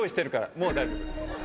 もう大丈夫。